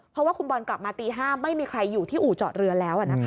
เพราะว่าคุณบอลกลับมาตี๕ไม่มีใครอยู่ที่อู่จอดเรือแล้ว